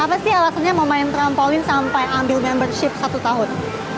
apa sih alasannya mau main trampolin sampai ambil membership satu tahun